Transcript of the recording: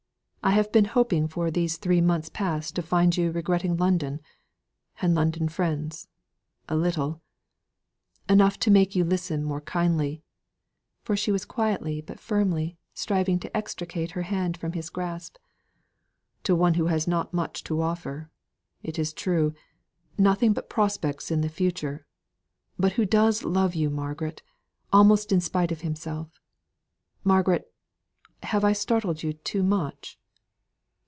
I have been hoping for these three months past to find you regretting London and London friends, a little enough to make you listen more kindly" (for she was quietly, but firmly, striving to extricate her hand from his grasp) "to one who has not much to offer, it is true nothing but prospects in the future but who does love you, Margaret, almost in spite of himself. Margaret, have I startled you too much?